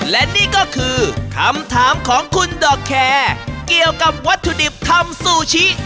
และนี่ก็คือคำถามของคุณดอกแคร์เกี่ยวกับวัตถุดิบทำซูชิ